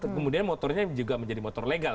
kemudian motornya juga menjadi motor legal